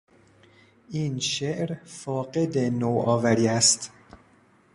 این شعر فاقد نوآوری است.